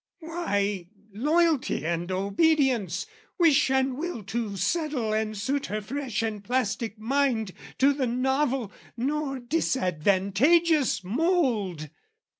Why, loyalty and obedience, wish and will To settle and suit her fresh and plastic mind To the novel, nor disadvantageous mould!